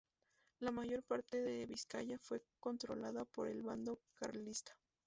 La mayor parte de Vizcaya fue controlada por el bando carlista.